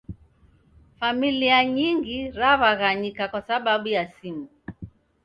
Familia nyingi raw'aghanyika kwa sababu ya simu